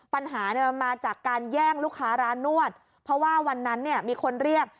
ปัญหาเนี่ยมันมาจากการแย่งลูกค้าร้านนวดเพราะว่าวันนั้นเนี่ยมีคนเรียก